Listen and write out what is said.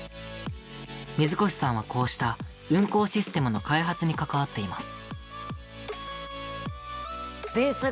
水越さんはこうした運行システムの開発に関わっています。